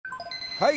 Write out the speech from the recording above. はい。